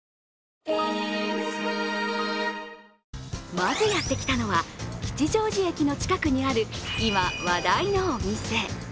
まずやってきたのは吉祥寺駅の近くにある今、話題のお店。